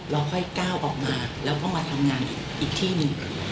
เราค่อยก้าวออกมาแล้วก็มาทำงานอีกที่หนึ่ง